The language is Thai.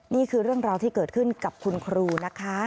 นี่คือเรื่องราวที่เกิดขึ้นกับคุณครูนะคะ